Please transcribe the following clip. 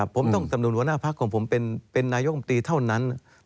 ผมต้องสำนวนหัวหน้าพักของผมเป็นนายกรรมตรีเท่านั้น